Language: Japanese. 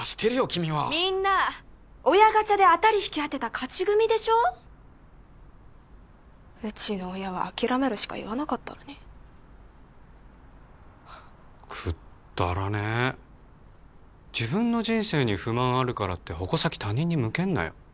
君はみんな親ガチャで当たり引き当てた勝ち組でしょうちの親は諦めろしか言わなかったのにくっだらねえ自分の人生に不満あるからって矛先他人に向けんなよ